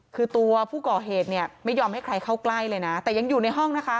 คือตัวผู้ก่อเหตุเนี่ยไม่ยอมให้ใครเข้าใกล้เลยนะแต่ยังอยู่ในห้องนะคะ